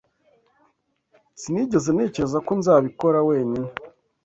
Sinigeze ntekereza ko nzabikora wenyine.